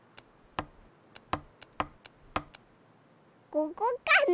ここかな？